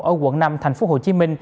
ở quận năm tp hcm